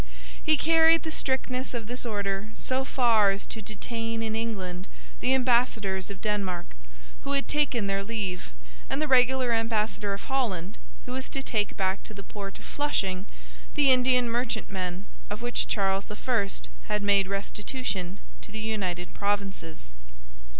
He carried the strictness of this order so far as to detain in England the ambassadors of Denmark, who had taken their leave, and the regular ambassador of Holland, who was to take back to the port of Flushing the Indian merchantmen of which Charles I. had made restitution to the United Provinces.